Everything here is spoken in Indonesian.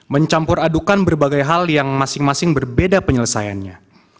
mencampur adukan berbagai hal yang masing masing berbeda penyelesaiannya